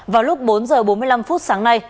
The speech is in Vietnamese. vào lúc bốn h bốn mươi năm sáng nay